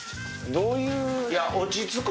どういう？